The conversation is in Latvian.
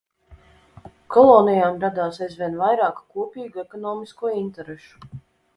Kolonijām radās aizvien vairāk kopīgu ekonomisko interešu.